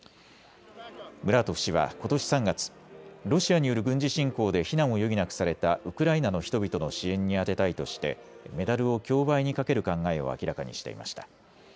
ムラートフ氏はことし３月、ロシアによる軍事侵攻で避難を余儀なくされたウクライナの人々の支援に充てたいとしてメダルを競売にかける考えを明らかにしていました。